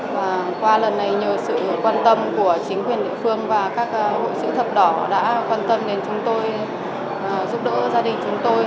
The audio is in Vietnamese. và qua lần này nhờ sự quan tâm của chính quyền địa phương và các hội chữ thập đỏ đã quan tâm đến chúng tôi giúp đỡ gia đình chúng tôi